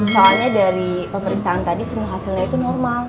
soalnya dari pemeriksaan tadi semua hasilnya itu normal